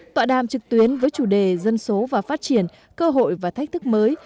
tọa đàm trực tuyến với chủ đề dân số và phát triển cơ hội và thách thức mới